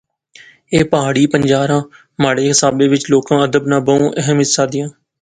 ایہہ پہاڑی بنجاراں مہاڑے حسابے وچ لوک ادب ناں بہوں اہم حصہ دیاں